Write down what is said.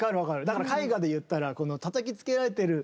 だから絵画で言ったらこのたたきつけられてる。